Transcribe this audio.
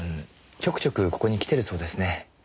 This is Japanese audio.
ちょくちょくここに来てるそうですね。